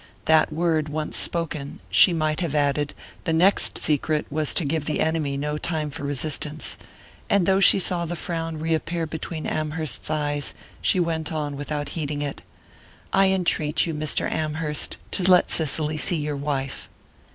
That word once spoken, she might have added, the next secret was to give the enemy no time for resistance; and though she saw the frown reappear between Amherst's eyes, she went on, without heeding it: "I entreat you, Mr. Amherst, to let Cicely see your wife."